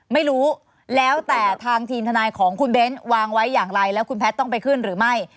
ไม่รู้แล้วแต่ทางทีมทนายของคุณเบ้นวางไว้อย่างไรแล้วคุณแพทย์ต้องไปขึ้นหรือไม่